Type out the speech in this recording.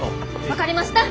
分かりました。